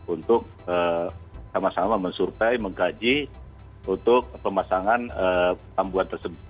untuk sama sama mensuppay menggaji untuk pemasangan perambuan tersebut